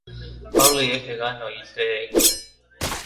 Hurley es vegano y "straight edge".